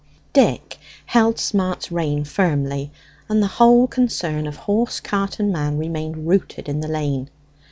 Dick held Smart's rein firmly, and the whole concern of horse, cart, and man remained rooted in the lane.